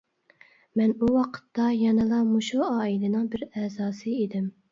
مەن ئۇ ۋاقىتتا يەنىلا مۇشۇ ئائىلىنىڭ بىر ئەزاسى ئىدىم.